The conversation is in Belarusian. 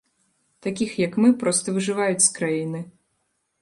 Такіх, як мы, проста выжываюць з краіны.